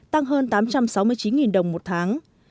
tăng hơn tám trăm sáu mươi chín đồng một tháng